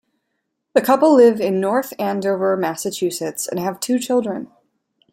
The couple live in North Andover, Massachusetts, and have two children.